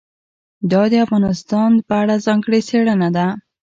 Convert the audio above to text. دا د افغانستان په اړه ځانګړې څېړنه ده.